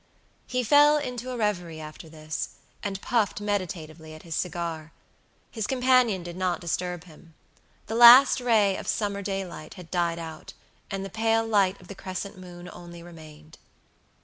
He fell into a reverie after this, and puffed meditatively at his cigar. His companion did not disturb him. The last ray of summer daylight had died out, and the pale light of the crescent moon only remained.